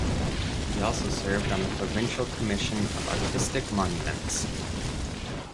He also served on the Provincial Commission of Artistic Monuments.